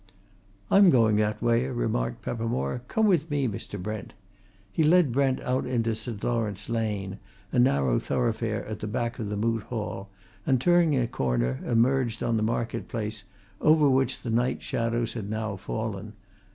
"I'm going that way," remarked Peppermore. "Come with me, Mr. Brent." He led Brent out into St. Lawrence Lane, a narrow thoroughfare at the back of the Moot Hall, and turning a corner, emerged on the market place, over which the night shadows had now fallen.